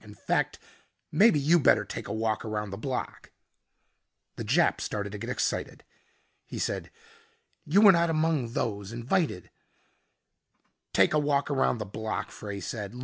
In fact maybe you better take a walk around the block." The Jap started to get excited. He said, "You were not among those invited " "Take a walk around the block," Frey said.